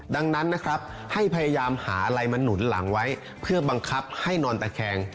ดังนั้นนะครับให้พยายามหาอะไรมาหนุนหลังไว้เพื่อบังคับให้นอนตะแคง